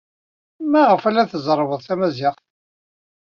Maɣef ay la tzerrwed tamaziɣt?